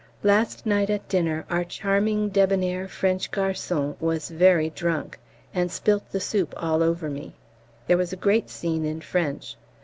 Last night at dinner our charming debonair French garçon was very drunk, and spilt the soup all over me! There was a great scene in French.